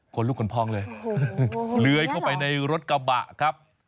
คนลูกคนพองเลยเลื้อยเข้าไปในรถกระบะครับ